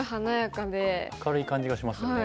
明るい感じがしますよね。